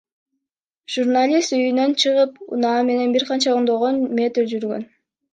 Журналист үйүнөн чыгып, унаа менен бир канча ондогон метр жүргөн.